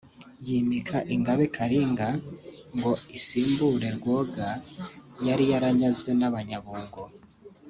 yimika Ingabe “Kalinga” ngo isimbure Rwoga yari yaranyazwe n’Abanyabungo